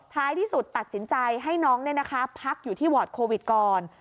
ท้ายที่สุดตัดสินใจให้น้องพักอยู่ที่วอร์ดโควิดก่อน